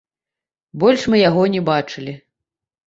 Больш мы яго не бачылі.